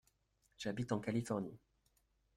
J’habite en Californie.